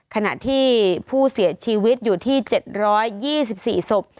ขณะที่ผู้เสียชีวิตอยู่ที่๗๒๔ศพ